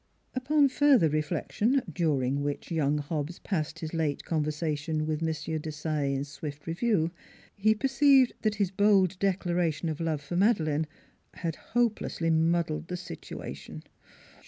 Upon further reflection, during which young Hobbs passed his late conversation with M. Desaye in swift review, he perceived that his bold declaration of love for Madeleine had hope lessly muddled the situation.